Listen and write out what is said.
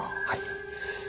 はい。